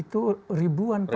itu ribuan perda